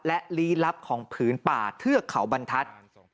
และลี้ลับของผืนป่าเทือกเขาบรรทัศน์